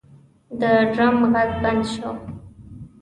د ډرم غږ بند شو.